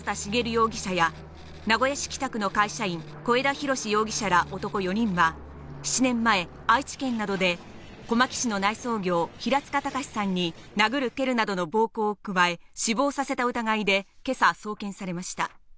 容疑者や名古屋市北区の会社員・小枝浩志容疑者ら男４人は、７年前、愛知県などで小牧市の内装業・平塚崇さんに、殴る蹴るなどの暴行を加え、死亡させた疑いで今朝送検されました。